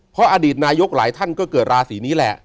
เพราะอดีตนายกหลายท่านก็เกิดราศีนี้แหละ